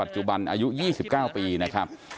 จุบันอายุ๒๙ปีนะครับ